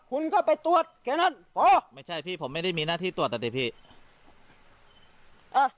คุณก็ไปตรวจแค่นั้นอ๋อไม่ใช่พี่ผมไม่ได้มีหน้าที่ตรวจอ่ะสิพี่อ่ะ